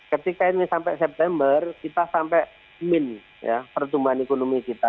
ketika ini sampai september kita sampai min pertumbuhan ekonomi kita